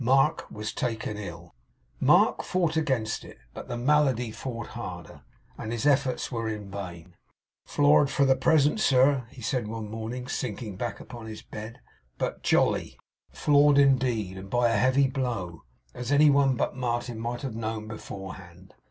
Mark was taken ill. Mark fought against it; but the malady fought harder, and his efforts were in vain. 'Floored for the present, sir,' he said one morning, sinking back upon his bed; 'but jolly!' Floored indeed, and by a heavy blow! As any one but Martin might have known beforehand.